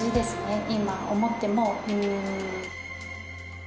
今思っても。